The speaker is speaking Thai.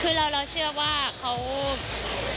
คือเราเชื่อว่าเขา